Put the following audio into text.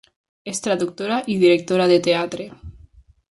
És traductora i directora de teatre.